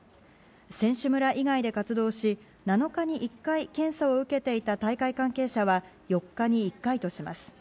選手村以外で活動し、７日に１回検査を受けていた大会関係者は４日に１回とします。